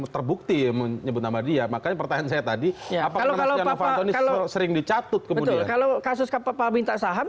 terbukti menyebut nama dia makanya pertanyaan saya tadi sering dicatut kalau kasus kapal minta saham